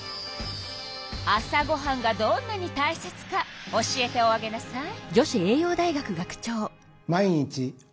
朝ごはんがどんなにたいせつか教えておあげなさい。